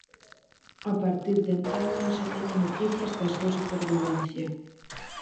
A partir de entón non se teñen noticias da súa supervivencia.